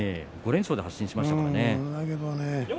連勝で発進しましたからね。